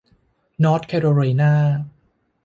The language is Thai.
นอร์ทแคโรไลนา